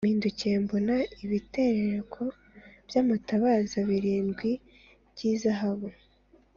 mpindukiye mbona ibitereko by’amatabaza birindwi by’izahabu,